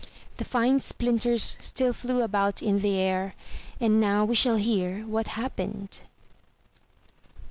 The fine splinters still flew about in the air; and now we shall hear what happened.